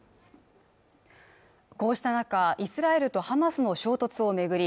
こうした中イスラエルとハマスの衝突を巡り